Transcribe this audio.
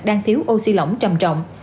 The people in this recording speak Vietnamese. đang thiếu oxy lỏng trầm trọng